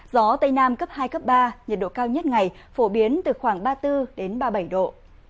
gió tây nam cấp hai cấp ba nhiệt độ cao nhất ngày phổ biến từ khoảng ba mươi bốn đến ba mươi bảy độ